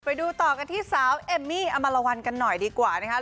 ไปดูต่อกันที่สาวเอมมี่อมารวัลกันหน่อยดีกว่านะคะ